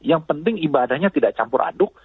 yang penting ibadahnya tidak campur aduk